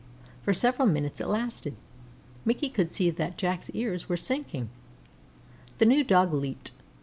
For several minutes it lasted. Mickey could see that Jack's ears were sinking. The new Dog leaped.